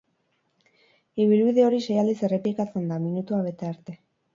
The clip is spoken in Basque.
Ibilbide hori sei aldiz errepikatzen da, minutua bete arte.